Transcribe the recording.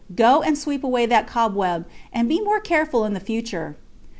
Go and sweep away that cobweb, and be more careful in future."